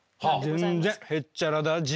全然へっちゃらだＧ。